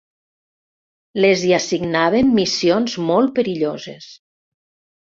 Les hi assignaven missions molt perilloses.